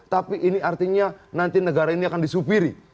tapi ini artinya nanti negara ini akan disupiri